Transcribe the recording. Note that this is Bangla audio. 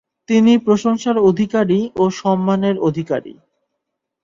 তিনি প্রশংসার অধিকারী ও সম্মানের অধিকারী।